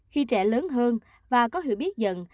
khi trẻ lớn hơn và có hiệu biết dần